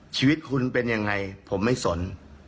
ชีวิตคุณเป็นยังไงผมไม่สน